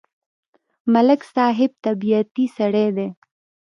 ملک صاحب طبیعتی سړی دی.